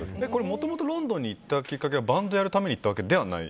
もともとロンドンに行ったきっかけは、バンドをやるために行ったわけではない？